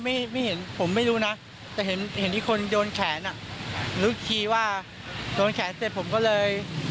แต่ที่ขอผมไม่เห็นผมไม่รู้นะแต่เห็นที่คนโดนแขนอ่ะอีกทีว่าโดนแขนเสร็จผมก็เลย